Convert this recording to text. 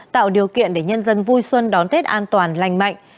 tạo điều kiện để nhân dân vui xuân đón tết an toàn lành mạnh